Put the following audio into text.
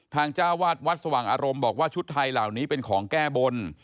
จ้าวาดวัดสว่างอารมณ์บอกว่าชุดไทยเหล่านี้เป็นของแก้บน